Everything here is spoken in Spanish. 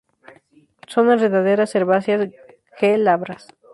Son enredaderas herbáceas, glabras.